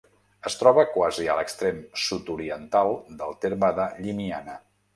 Es troba quasi a l'extrem sud-oriental del terme de Llimiana.